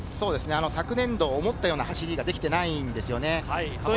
昨年度、思ったような走りができていないんですよね。